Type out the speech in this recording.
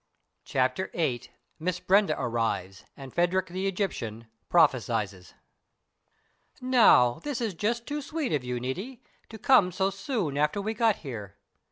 CHAPTER VIII MISS BRENDA ARRIVES, AND PHADRIG THE EGYPTIAN PROPHESIES "Now, this is just too sweet of you, Niti, to come so soon after we got here.